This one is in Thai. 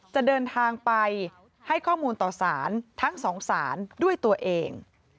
จะเดินทางไปให้ข้อมูลต่อสารทั้งสองศาลด้วยตัวเอง